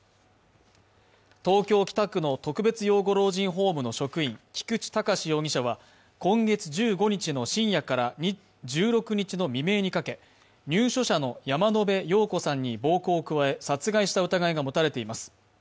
東京・北区の特別養護老人ホームの職員、菊池隆容疑者は、今月１５日の深夜から１６日の未明にかけ、入所者の山野辺陽子さんに暴行を加え殺害した疑いが持たれています。